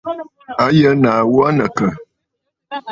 A yə nàa ghu aa nɨ àkə̀?